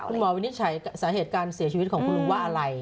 คุณหมอวินิศใช้สาเหตุการณ์เสียชีวิตของคุณลุงว่าอะไร